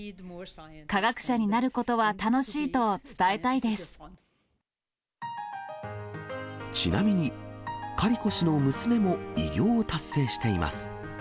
科学者になることは楽しいと伝えちなみに、カリコ氏の娘も、偉業を達成しています。